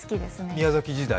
宮崎時代？